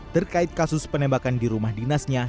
terkait kasus penembakan di rumah dinasnya